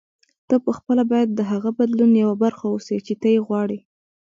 ته پخپله باید د هغه بدلون یوه برخه اوسې چې ته یې غواړې.